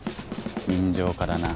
人情家だな。